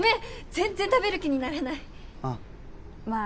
全然食べる気になれないああまあ